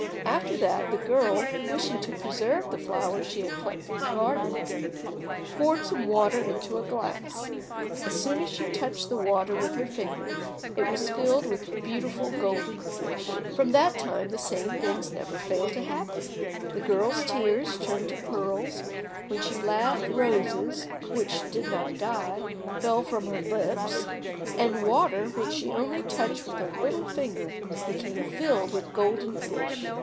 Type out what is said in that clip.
After that the girl, wishing to preserve the flowers she had plucked in the garden, poured some water into a glass: as soon as she touched the water with her finger, it was filled with beautiful golden fish. From that time the same things never failed to happen. The girl's tears turned to pearls, when she laughed roses, which did not die, fell from her lips; and water which she only touched with her little finger became filled with golden fish.